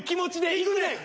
いくねん。